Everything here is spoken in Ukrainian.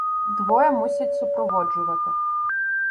Двоє мусять супроводжувати.